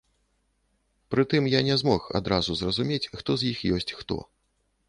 Пры тым, я не змог адразу зразумець, хто з іх ёсць хто.